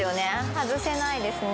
外せないですね。